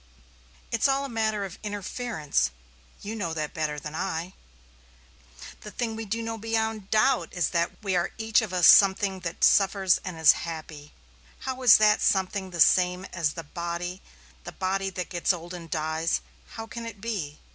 It's all a matter of inference you know that better than I. The thing we do know beyond doubt is that we are each of us a something that suffers and is happy. How is that something the same as the body the body that gets old and dies how can it be?